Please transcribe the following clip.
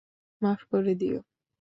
মাফ করে দিও।